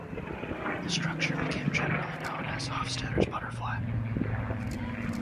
The structure became generally known as "Hofstadter's butterfly".